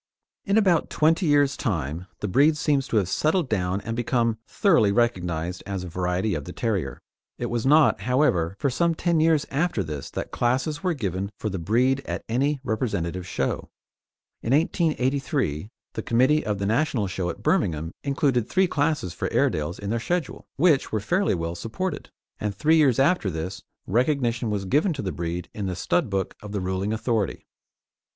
In about twenty years' time, the breed seems to have settled down and become thoroughly recognised as a variety of the terrier. It was not, however, for some ten years after this that classes were given for the breed at any representative show. In 1883 the committee of the National Show at Birmingham included three classes for Airedales in their schedule, which were fairly well supported; and three years after this recognition was given to the breed in the stud book of the ruling authority.